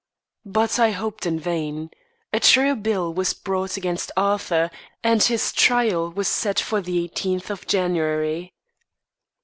But I hoped in vain. A true bill was brought against Arthur, and his trial was set for the eighteenth of January.